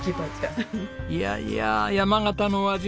いやいや山形の味